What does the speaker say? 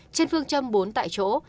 trên phương châm bốn tại chỗ